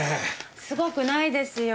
すごくないですよ。